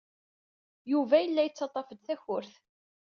Yuba yella yettaḍḍaf-d takurt.